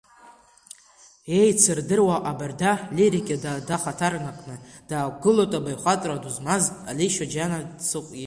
Еицырдыруа аҟабарда лирика дахаҭарнакны даақәгылоит абаҩхатәра ду змаз Али Шьоџьанцыҟә иҵаҩы…